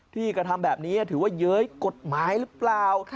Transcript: กระทำแบบนี้ถือว่าเย้ยกฎหมายหรือเปล่า